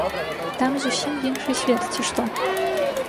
Там зусім іншы свет, ці што?